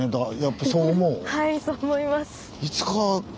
はいそう思います。